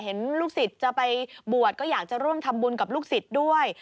เห็นลูกศิษย์จะไปบวชก็อยากจะร่วมทำบุญกับลูกศิษย์ด้วย